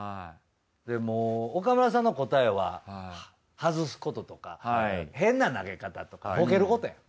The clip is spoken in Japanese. でもう岡村さんの答えは外すこととか変な投げ方とかボケることやん。